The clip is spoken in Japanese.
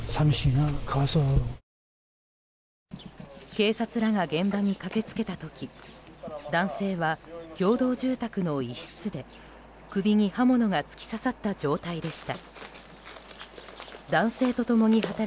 警察らが現場に駆け付けた時男性は共同住宅の一室で首に刃物が突き刺さった状態でした。